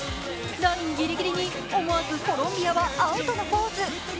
ラインギリギリに思わずコロンビアはアウトのポーズ。